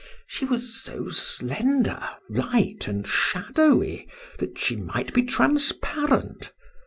She was so slender, light and shadowy that she might be transparent.